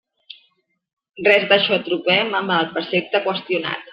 Res d'això trobem en el precepte qüestionat.